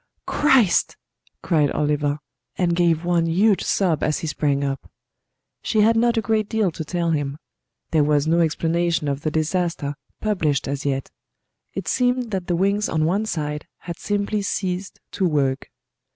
"Christ!" cried Oliver, and gave one huge sob as he sprang up. She had not a great deal to tell him. There was no explanation of the disaster published as yet; it seemed that the wings on one side had simply ceased to work.